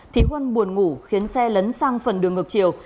thì huân buồn ngủ khiến xe lấn sang phần đường ngược chiều